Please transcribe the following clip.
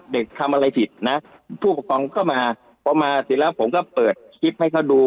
เด็กทำอะไรผิดนะผู้ปกครองก็มาพอมาเสร็จแล้วผมก็เปิดคลิปให้เขาดู